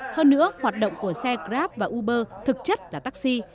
hơn nữa hoạt động của xe grab và uber thực chất là taxi